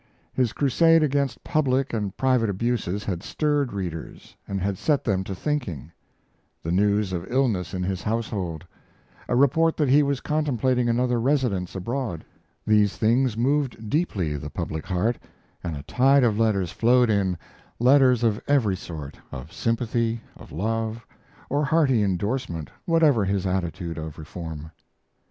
His crusade against public and private abuses had stirred readers, and had set them to thinking; the news of illness in his household; a report that he was contemplating another residence abroad these things moved deeply the public heart, and a tide of letters flowed in, letters of every sort of sympathy, of love, or hearty endorsement, whatever his attitude of reform.